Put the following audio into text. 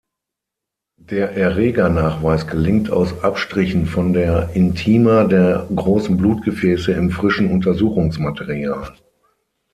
Der Erregernachweis gelingt aus Abstrichen von der Intima der großen Blutgefäße im frischen Untersuchungsmaterial.